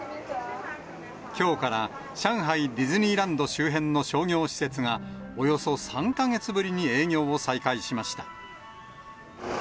きょうから上海ディズニーランド周辺の商業施設が、およそ３か月ぶりに営業を再開しました。